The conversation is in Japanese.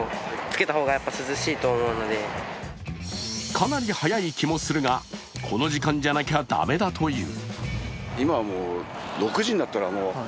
かなり早い気もするがこの時間じゃなきゃ駄目だという。